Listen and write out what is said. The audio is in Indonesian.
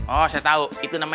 oh saya tahu